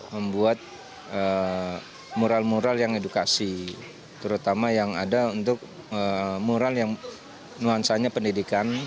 membuat mural mural yang edukasi terutama yang ada untuk mural yang nuansanya pendidikan